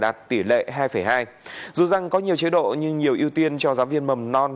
trong tư số sáu đề ra phải đạt tỷ lệ hai hai dù rằng có nhiều chế độ nhưng nhiều ưu tiên cho giáo viên mầm non